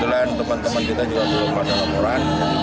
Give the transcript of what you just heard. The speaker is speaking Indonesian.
kemudian teman teman kita juga belum lakukan laporan